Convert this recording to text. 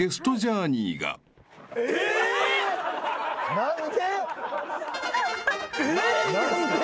何で？